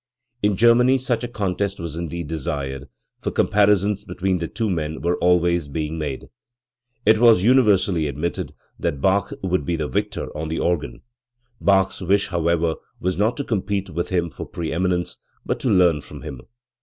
In Ger many such a contest was indeed desired, for comparisons between the two men were always being made. It was universally admitted that Bach would be the victor on the organ. Bach's wish, however, was not to compete with him for pre eminence, but to learn from him.